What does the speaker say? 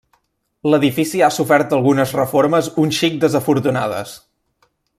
L'edifici ha sofert algunes reformes un xic desafortunades.